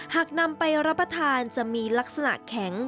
หากนำไปรับประทานจะมีลักษณะแข็ง